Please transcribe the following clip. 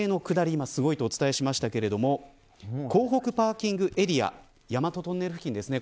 今、すごいとお伝えしましたが港北パーキングエリア大和トンネル付近ですね。